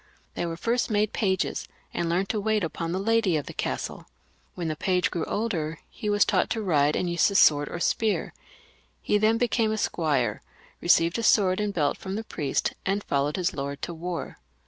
They were first made pages, and learned to wait upon the lady of the castle. When the page grew older he was taught to ride and use the sword or spear. He then became a squire, received a sword and belt from the priest, and followed his lord to war.